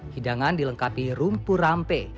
hidangan dilengkapi rumpu rampe